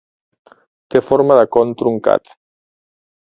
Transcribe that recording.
Té forma de con truncat.